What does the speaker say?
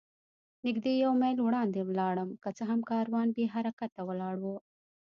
نږدې یو میل وړاندې ولاړم، که څه هم کاروان بې حرکته ولاړ و.